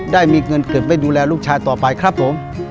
ได้มีเงินเก็บไว้ดูแลลูกชายต่อไปครับผม